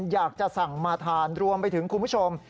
อยากจะสั่งมาทานรวมไปถึงคุณผู้ชม